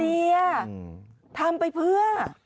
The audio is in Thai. เรียทำไปเพื่อ